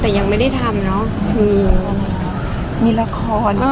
ภาษาสนิทยาลัยสุดท้าย